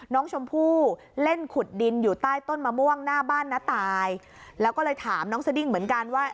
น้องชมพู่เล่นขุดดินอยู่ใต้ต้นมะม่วงหน้าบ้านน้าตายแล้วก็เลยถามน้องสดิ้งเหมือนกันว่า